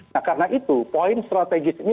nah karena itu poin strategis ini